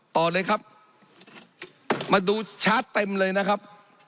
ต่อเลยครับมาดูชาร์จเต็มเลยนะครับ